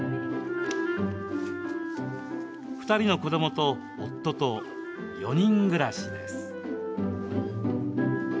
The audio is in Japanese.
２人の子どもと夫と４人暮らしです。